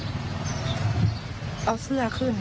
และที่สำคัญก็มีอาจารย์หญิงในอำเภอภูสิงอีกเหมือนกัน